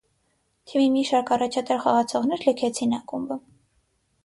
Թիմի մի շարք առաջատար խաղացողներ լքեցին ակումբը։